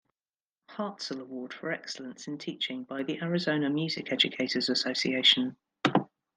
Hartsell Award for excellence in teaching by the Arizona Music Educators Association.